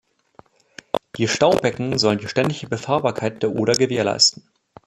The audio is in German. Die Staubecken sollten die ständige Befahrbarkeit der Oder gewährleisten.